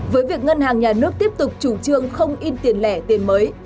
với việc ngân hàng nhà nước tiếp tục chủ trương không in tiền lẻ tiền mới